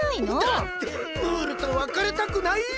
だってムールとわかれたくないよ。